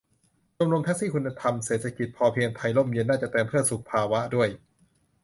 ชมรมแท็กซี่คุณธรรมเศรษฐกิจพอเพียงไทยร่มเย็น น่าจะเติม 'เพื่อสุขภาวะ' ด้วย